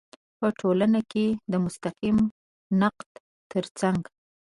په ټولنه کې د مستقیم نقد تر څنګ